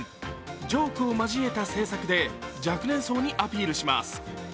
ジョークを交えた政策で若年層にアピールします。